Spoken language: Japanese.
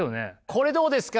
これどうですか？